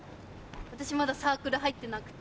私まだサークル入ってなくて。